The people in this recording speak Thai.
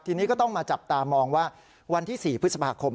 ทีนี้ก็ต้องมาจับตามองว่าวันที่๔พฤษภาคม